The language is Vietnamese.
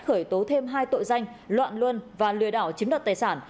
khởi tố thêm hai tội danh loạn luân và lừa đảo chiếm đoạt tài sản